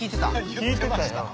聞いてたよ。